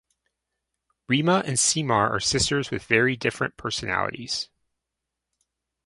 Reema and Simar are sisters with very different personalities.